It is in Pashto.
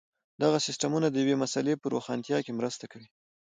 دغه سیسټمونه د یوې مسئلې په روښانتیا کې مرسته کوي.